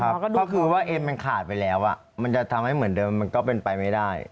ก็คือว่าเอ็มมันขาดไปแล้วมันจะทำให้เหมือนเดิมมันก็เป็นไปไม่ได้